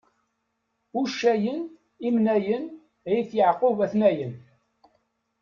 Uccayen, imnayen, ay at Yaɛqub a-ten-ayen!